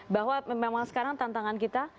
bahwa memang sekarang tantangan kita